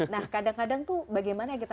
nah kadang kadang tuh bagaimana kita